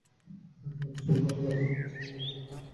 ভীষণ ভালো লাগার অনুভূতি নিয়ে আমিও ভাবলাম এবার আমার ঘরে ফেরার পালা।